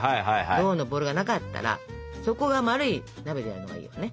銅のボウルがなかったら底が丸い鍋でやるのがいいわね。